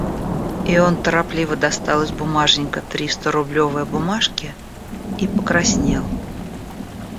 И он торопливо достал из бумажника три сторублевые бумажки и покраснел.